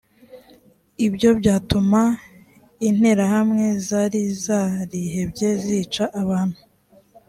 ibyo byatumaga interahamwe zari zarihebye zica abantu